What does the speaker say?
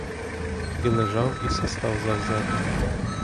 І лежав, і свистав завзято.